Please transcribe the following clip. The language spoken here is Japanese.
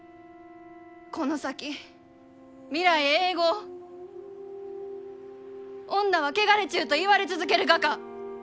この先未来永劫「女は汚れちゅう」と言われ続けるがか？